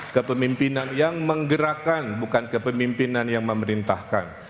kepemimpinan yang menggerakkan bukan kepemimpinan yang memerintahkan